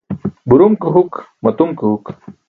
Burum ke huk, matum ke huk.